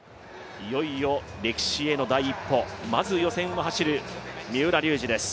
いよいよ歴史への第一歩まず予選を走る三浦龍司です。